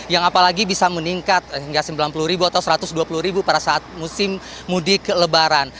yang apalagi bisa meningkat hingga sembilan puluh ribu atau satu ratus dua puluh ribu pada saat musim mudik lebaran